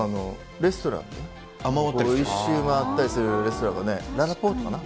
レストランね、１周回ったりするレストランがね、ららぽーとかな？